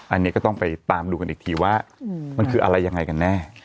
อันนี้ก็ต้องไปตามดูกันอีกทีว่ามันคืออะไรยังไงกันแน่